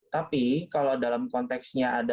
tapi kalau dalam konteksnya